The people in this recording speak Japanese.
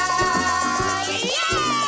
イエーイ！